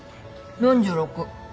４６。